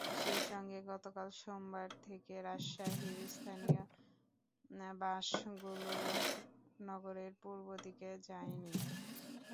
সেই সঙ্গে গতকাল সোমবার থেকে রাজশাহীর স্থানীয় বাসগুলো নগরের পূর্ব দিকে যায়নি।